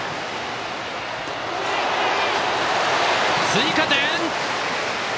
追加点！